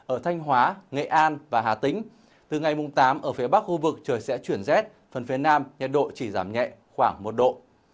ở thanh hóa nghệ an và hà tĩnh từ ngày mùng tám ở phía bắc khu vực trời sẽ chuyển rét phần phía nam nhiệt độ chỉ giảm nhẹ khoảng một độ